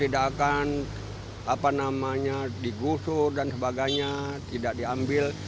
bahkan apa namanya digusur dan sebagainya tidak diambil